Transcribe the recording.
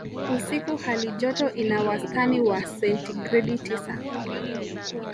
Usiku hali joto ina wastani wa sentigredi tisa